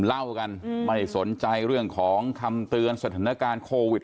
เล่ากันไม่สนใจเรื่องของคำเตือนสถานการณ์โควิด